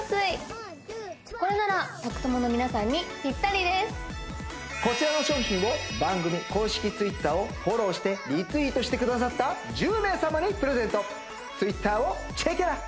うんこれならこちらの商品を番組公式Ｔｗｉｔｔｅｒをフォローしてリツイートしてくださった１０名様にプレゼントＴｗｉｔｔｅｒをチェケラ！